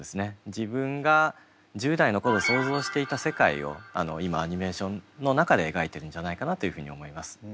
自分が１０代の頃想像していた世界を今アニメーションの中で描いてるんじゃないかなというふうに思います。